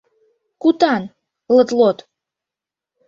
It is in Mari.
Кутан — лыт-лот